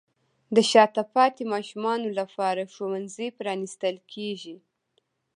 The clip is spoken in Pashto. د شاته پاتې ماشومانو لپاره ښوونځي پرانیستل کیږي.